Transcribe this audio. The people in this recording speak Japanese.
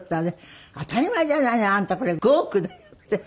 「当たり前じゃないの！あんたこれ５億だよ」って。